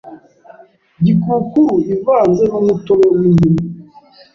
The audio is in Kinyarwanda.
Gikukuru ivanze n’umutobe w’indimu